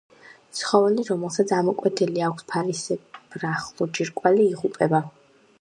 ცხოველი, რომელსაც ამოკვეთილი აქვს ფარისებრახლო ჯირკვალი, იღუპება.